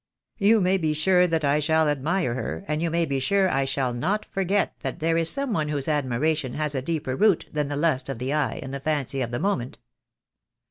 "You may be sure that I shall admire her, and you may be sure I shall not forget that there is some one whose admiration has a deeper root than the lust of the eye and the fancy of the moment."